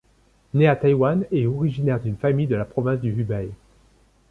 Né à Taïwan et originaire d'une famille de la province du Hubei.